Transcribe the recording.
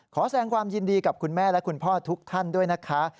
แสดงความยินดีกับคุณแม่และคุณพ่อทุกท่านด้วยนะคะ